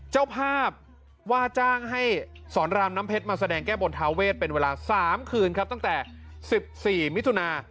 เจ้าภาพว่าจ้างให้สอนรามน้ำเพชรมาแสดงแก้บนทาเวทเป็นเวลา๓คืนครับตั้งแต่๑๔มิถุนา